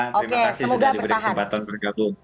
terima kasih sudah diberi kesempatan bergabung